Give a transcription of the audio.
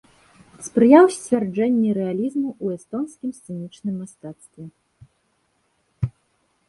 Спрыяў сцвярджэнні рэалізму ў эстонскім сцэнічным мастацтве.